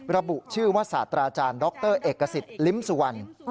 ระบุชื่อว่าศาสตราอาจารย์ดรเอกสิทธิ์ลิ้มสุวรรณ